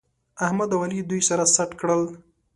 احمد او علي دوی سره سټ کړل